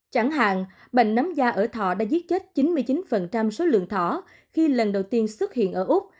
chẳng hạn bệnh nấm da ở thọ đã giết chết chín mươi chín số lượng thỏ khi lần đầu tiên xuất hiện ở úc